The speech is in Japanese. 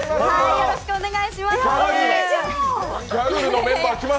よろしくお願いします。